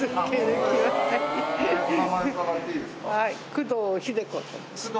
工藤秀子さん。